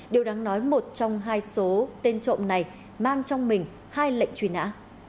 điều đáng nói một trong hai số tên trộm này mang trong mình hai lệnh truy nã